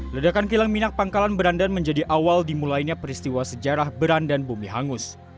ledakan kilang minyak pangkalan berandan menjadi awal dimulainya peristiwa sejarah berandan bumi hangus